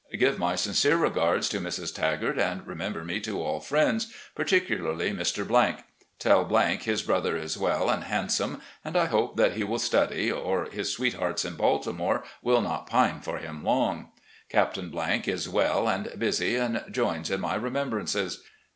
Give my sincere regards to Mrs. Tagart, and remember me to all friends, particularly Mr. . Tell his brother is well and handsome, and I hope that he will study, or his sweethearts in Baltimore will not pine for him long. Captain is well and busy, and joins in my remembrances.